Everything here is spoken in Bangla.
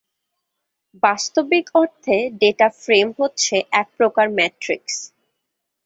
বাস্তবিক অর্থে ডেটা ফ্রেম হচ্ছে এক প্রকার ম্যাট্রিক্স।